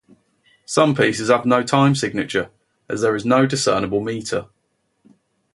Some pieces have no time signature, as there is no discernible meter.